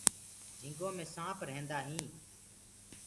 جِهنگو مي سآنپ رهيندآ هينٚ۔